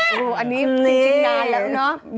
จำได้ไหม